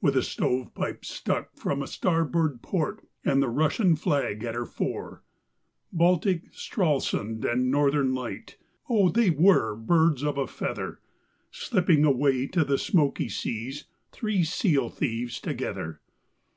With a stovepipe stuck from a starboard port and the Russian flag at her fore. (Baltic, Stralsund, and Northern Light oh! they were birds of a feather Slipping away to the Smoky Seas, three seal thieves together!)